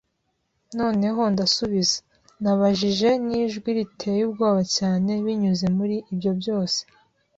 “Noneho ndasubiza?” Nabajije nijwi riteye ubwoba cyane. Binyuze muri ibyo byose